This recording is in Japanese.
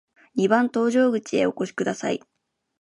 二番搭乗口へお越しください。